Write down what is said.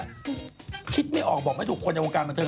คิดไม่ออกบอกไม่ถูกคนในวงการบันเทิ